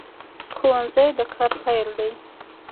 ښوونځی د کار پیل دی